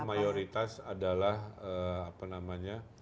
mayoritas adalah apa namanya